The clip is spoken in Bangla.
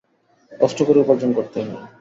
কষ্ট করে উপার্জন করতে হয়।